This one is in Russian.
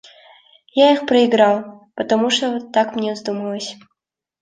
Я их проиграл, потому что так мне вздумалось.